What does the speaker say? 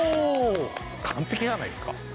完璧じゃないすか。